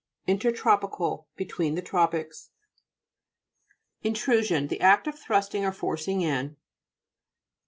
INTERTIUMPICAL Between the tro pics. [NTRUSION The act of thrusting or forcing in.